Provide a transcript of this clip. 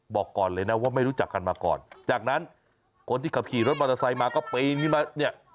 บอกก่อนเลยนะว่าไม่รู้จักกันมาก่อนจากนั้นคนที่ขับขี่รถมอเตอร์ไซค์มาก็ปีนขึ้นมาเนี่ย